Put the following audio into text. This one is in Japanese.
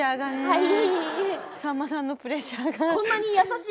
はい。